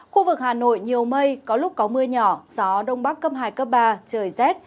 khu vực hà nội nhiều mây có lúc có mưa nhỏ gió đông bắc cấp hai cấp ba trời rét